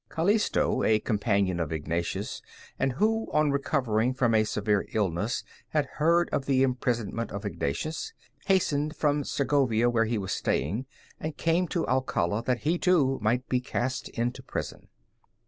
Calisto, a companion of Ignatius, and who on recovering from a severe illness had heard of the imprisonment of Ignatius, hastened from Segovia, where he was staying, and came to Alcala, that he, too, might be cast into prison.